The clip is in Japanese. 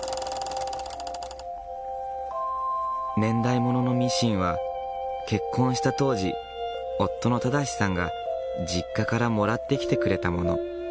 年代物のミシンは結婚した当時夫の正さんが実家からもらってきてくれた物。